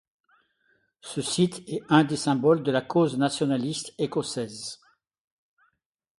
Ce site est un des symboles de la cause nationaliste écossaise.